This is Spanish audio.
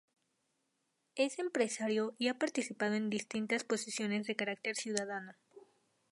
Es empresario y ha participado en distintas posiciones de carácter ciudadano.